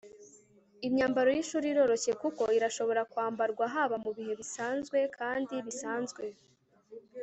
Imyambaro yishuri iroroshye kuko irashobora kwambarwa haba mubihe bidasanzwe kandi bisanzwe